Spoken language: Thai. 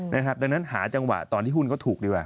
ดังนั้นหาจังหวะตอนที่หุ้นก็ถูกดีกว่า